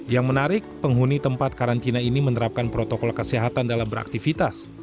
yang menarik penghuni tempat karantina ini menerapkan protokol kesehatan dalam beraktivitas